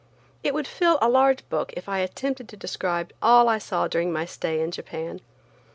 It would fill a large book if I attempted to describe all I saw during my stay in Japan.